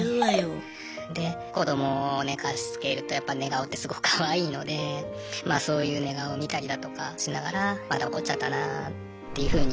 で子どもを寝かしつけるとやっぱ寝顔ってすごくかわいいのでまあそういう寝顔を見たりだとかしながらまた怒っちゃったなっていうふうに。